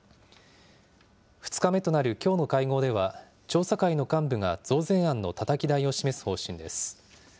２日目となるきょうの会合では、調査会の幹部が増税案のたたき台を示す方針です。